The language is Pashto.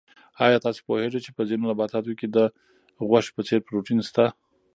آیا تاسو پوهېږئ چې په ځینو نباتاتو کې د غوښې په څېر پروټین شته؟